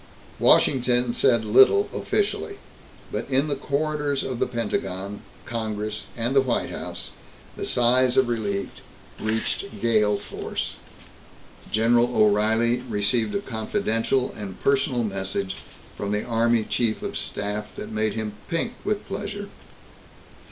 Washington said little officially, but in the corridors of the Pentagon, Congress and the White House, the sighs of relief reached gale force. General O'Reilly received a confidential and personal message from the Army Chief of Staff that made him pink with pleasure.